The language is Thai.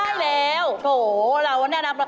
ใช่แล้วโถ่เราเนี่ยนะ